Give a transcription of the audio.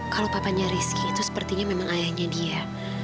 kalau papanya rizky itu sepertinya memang ayahnya dia